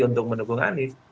untuk mendukung anies